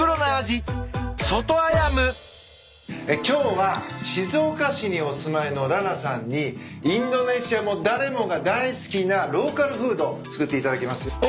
今日は静岡市にお住まいのララさんにインドネシアの誰もが大好きなローカルフード作っていただきます。